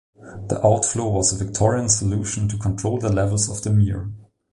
The outflow was a Victorian solution to control the levels of the mere.